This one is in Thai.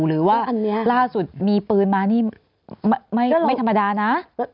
หรือว่าล่าสุดมีปืนมานี่ไม่ธรรมดานะ